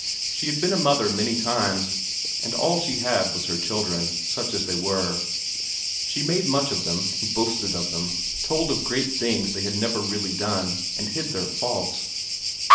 She had been a mother many times, and all she had was her children, such as they were; she made much of them, and boasted of them, told of great things they had never really done, and hid their faults.